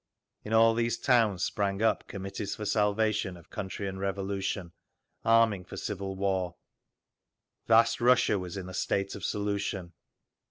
In all these towns sprang up Committees for Salvation of Country and Revolution, arming for civil war…. Vast Russia was in a state of solution.